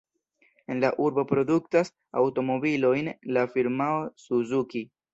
En la urbo produktas aŭtomobilojn la firmao Suzuki.